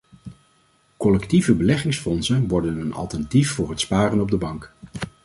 Collectieve beleggingsfondsen werden een alternatief voor het sparen op de bank.